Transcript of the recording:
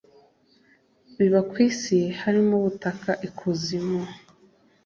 biba ku isi harimo ubutaka ikuzimu